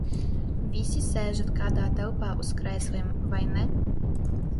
Visi sēžat kādā telpā uz krēsliem, vai ne?